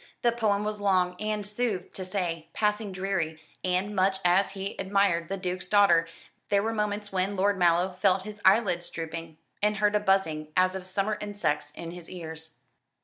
The poem was long, and, sooth to say, passing dreary; and, much as he admired the Duke's daughter, there were moments when Lord Mallow felt his eyelids drooping, and heard a buzzing, as of summer insects, in his ears.